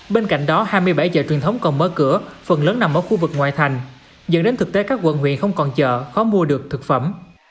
bên cạnh đó hai mươi bảy chợ truyền thống còn mở cửa phần lớn nằm ở khu vực ngoại thành dẫn đến thực tế các quận huyện không còn chợ khó mua được thực phẩm